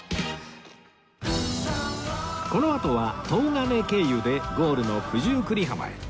このあとは東金経由でゴールの九十九里浜へ